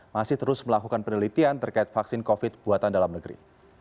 masih terus melakukan penelitian terkait vaksin covid buatan dalam negeri